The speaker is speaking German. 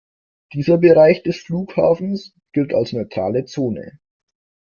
Dieser Bereich des Flughafens gilt als neutrale Zone.